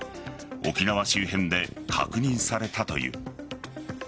沖縄周辺で確認されたという。